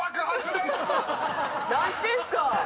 何してんすか！